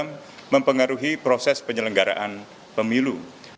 yang mempengaruhi proses penyelenggaraan pemilu